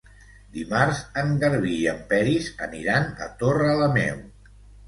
Dimarts en Garbí i en Peris aniran a Torrelameu.